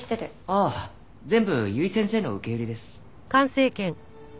ああ全部由井先生の受け売りです。